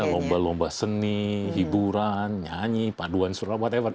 iya lomba lomba seni hiburan nyanyi paduan surat whatever